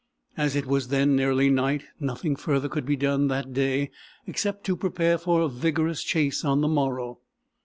As it was then nearly night, nothing further could be done that day except to prepare for a vigorous chase on the morrow.